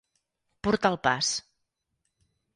Portar el pas.